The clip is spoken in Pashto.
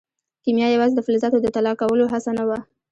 کیمیا یوازې د فلزاتو د طلا کولو هڅه نه وه.